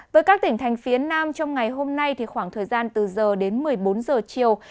với các tỉnh thành phía nam trong ngày hôm nay thì khoảng thời gian từ giờ đến một mươi bốn giờ chiều